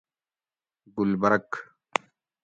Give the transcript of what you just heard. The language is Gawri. گلبرگ